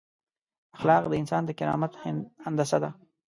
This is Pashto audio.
اخلاق د انسان د کرامت هندسه ده.